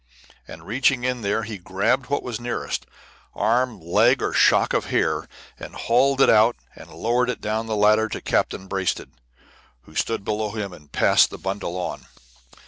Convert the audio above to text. And reaching in here, he grabbed what was nearest, arm, leg, or shock of hair, and hauled it out and lowered it down the ladder to Captain Braisted, who stood below him and passed the bundle on.